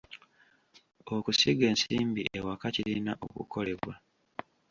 Okusiga ensimbi ewaka kirina okukolebwa.